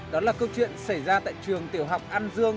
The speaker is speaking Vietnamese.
đó là câu chuyện xảy ra tại trường tiểu học an dương